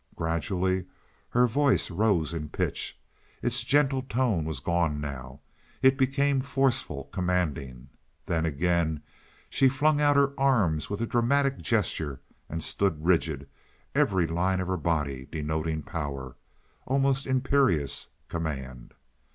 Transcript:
Gradually her voice rose in pitch. Its gentle tone was gone now it became forceful, commanding. Then again she flung out her arms with a dramatic gesture and stood rigid, every line of her body denoting power almost imperious command.